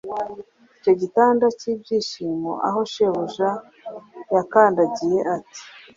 Icyo gitanda cy'ibyishimo, aho shebuja yakandagiye ati